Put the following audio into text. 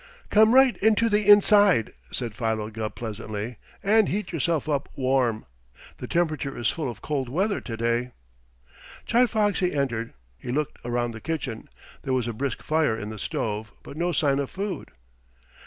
"Come right into the inside," said Philo Gubb pleasantly, "and heat yourself up warm. The temperature is full of cold weather to day." Chi Foxy entered. He looked around the kitchen. There was a brisk fire in the stove, but no sign of food.